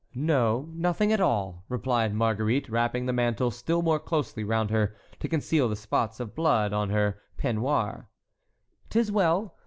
"No, nothing at all," replied Marguerite, wrapping the mantle still more closely round her to conceal the spots of blood on her peignoir. "'Tis well.